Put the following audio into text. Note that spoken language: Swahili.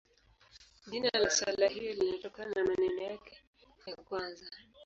Jina la sala hiyo linatokana na maneno yake ya kwanza.